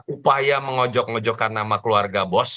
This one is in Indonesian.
upaya mengojok ngojokkan nama keluarga bos